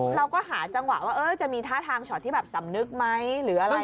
เราก็หาจังหวะว่าจะมีท่าทางช็อตที่แบบสำนึกไหมหรืออะไร